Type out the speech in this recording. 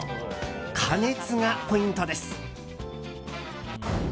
加熱がポイントです。